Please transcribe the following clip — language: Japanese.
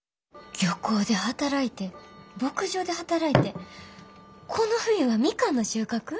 漁港で働いて牧場で働いてこの冬はミカンの収穫？